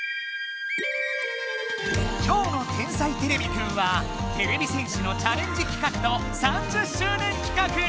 今日の「天才てれびくん」はてれび戦士のチャレンジ企画と３０周年企画！